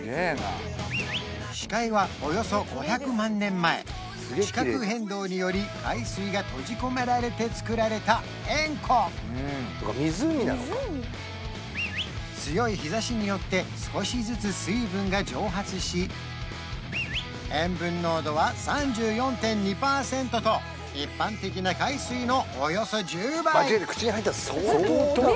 死海はおよそ５００万年前地殻変動により海水が閉じ込められてつくられた塩湖湖なのか湖強い日ざしによって少しずつ水分が蒸発し塩分濃度は３４．２パーセントと一般的な海水のおよそ１０倍！